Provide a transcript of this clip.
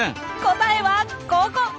答えはここ！